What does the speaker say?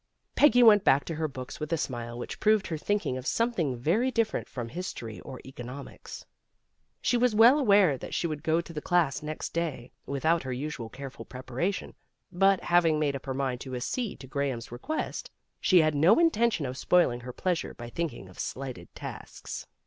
Peggy went back to her books with a smile which proved her thinking of something very different from history or economics. She was well aware that she would go to the class next PEGGY COMES TO A DECISION 243 day without her usual careful preparation, but having made up her mind to accede to Graham's request, she had no intention of spoiling her pleasure by thinking of slighted tasks.